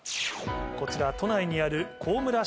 こちら都内にある。